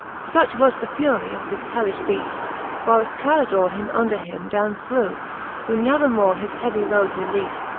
Such was the fury of this hellifti Beaft, [ Whileft Calidore him under him downe threw ;' Who nathemore his heavy load releaft, ^.